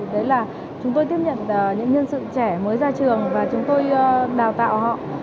đấy là chúng tôi tiếp nhận những nhân sự trẻ mới ra trường và chúng tôi đào tạo họ